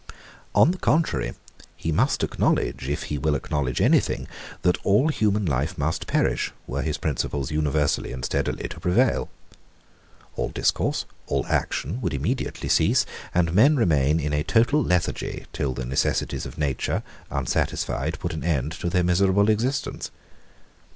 On the contrary, he must acknowledge, if he will acknowledge anything, that all human life must perish, were his principles universally and steadily to prevail. All discourse, all action would immediately cease; and men remain in a total lethargy, till the necessities of nature, unsatisfied, put an end to their miserable existence.